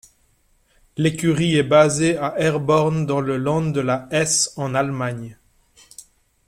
L'écurie est basée à Herborn dans le land de la Hesse en Allemagne.